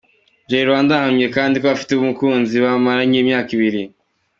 Jay Rwanda ahamya kandi ko afite umukunzi bamaranye imyaka ibiri.